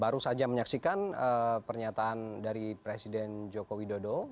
baru saja menyaksikan pernyataan dari presiden joko widodo